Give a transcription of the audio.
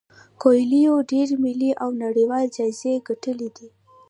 کویلیو ډیر ملي او نړیوال جایزې ګټلي دي.